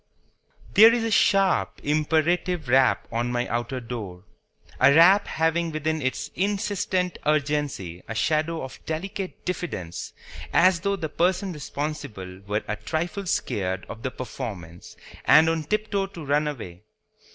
THERE is a sharp, imperative rap on my outer door; a rap having within its insistent urgency a shadow of delicate diffidence, as though the person responsible were a trifle scared of the performance and on tiptoe to run away.